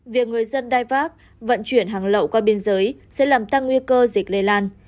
việc người dân đai vác vận chuyển hàng lậu qua biên giới sẽ làm tăng nguy cơ dịch lây lan